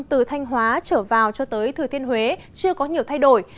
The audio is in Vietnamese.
từ thanh hóa trở vào cho tới thừa thiên huế chưa có nhiều thay đổi